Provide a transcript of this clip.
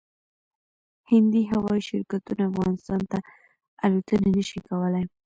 هندي هوايي شرکتونه افغانستان ته الوتنې نشي کولای